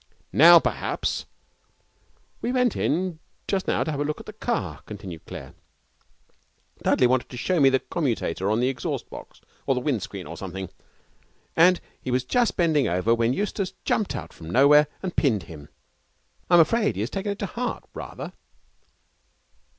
'Now perhaps ' 'We went in just now to have a look at the car,' continued Claire. 'Dudley wanted to show me the commutator on the exhaust box or the windscreen, or something, and he was just bending over when Eustace jumped out from nowhere and pinned him. I'm afraid he has taken it to heart rather.'